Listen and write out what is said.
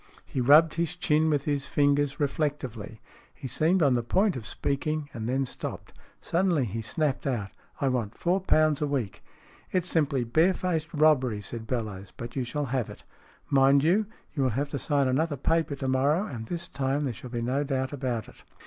He rubbed his chin with his fingers reflectively. He seemed on the point of speaking, and then stopped. Suddenly he snapped out :" I want four pounds a week !"" It's simply bare faced robbery," said Bellowes. " But you shall have it. Mind you, you will have to sign another paper to morrow, and this time there shall be no doubt about it."